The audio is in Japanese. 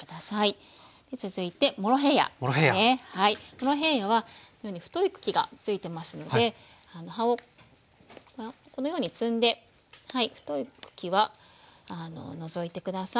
モロヘイヤはこのように太い茎がついてますので葉をこのように摘んで太い茎は除いて下さい。